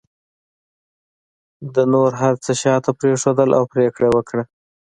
ده نور هر څه شاته پرېښودل او پرېکړه یې وکړه